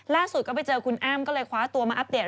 ล่าสุดก็ไปเจอคุณอ้ำก็เลยคว้าตัวมาอัปเดต